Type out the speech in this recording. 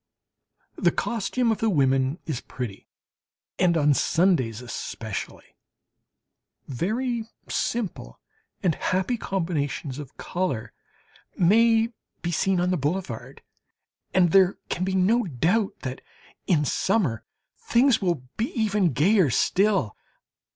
The costume of the women is pretty, and on Sundays especially very simple and happy combinations of colour may be seen on the boulevard. And there can be no doubt that in summer things will be even gayer still.